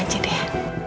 ibu saya lenacit ya